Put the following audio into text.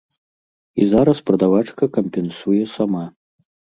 І зараз прадавачка кампенсуе сама.